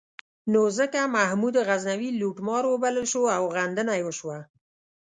نو ځکه محمود غزنوي لوټمار وبلل شو او غندنه یې وشوه.